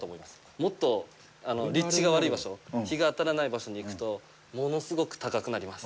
もっと立地が悪い居場所、日が当たらない場所に行くと物すごく高くなります。